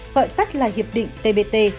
gọi tắt là hiệp định tbt